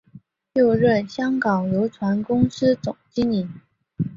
又任香港邮船公司总经理。